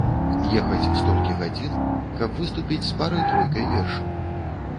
Ехаць столькі гадзін, каб выступіць з парай-тройкай вершаў.